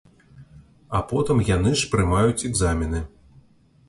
А потым яны ж прымаюць экзамены.